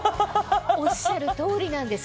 おっしゃる通りなんです。